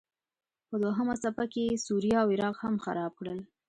په دوهمه څپه کې یې سوریه او عراق هم خراب کړل.